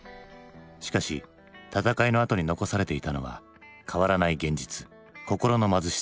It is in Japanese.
しかし闘いのあとに残されていたのは変わらない現実心の貧しさ。